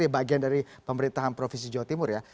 bagian dari pemerintahan provinsi jawa timur ya